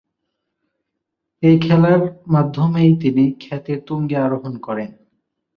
এ খেলার মাধ্যমেই তিনি খ্যাতির তুঙ্গে আরোহণ করেন।